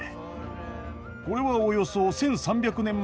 これはおよそ１，３００年前の絵画石碑。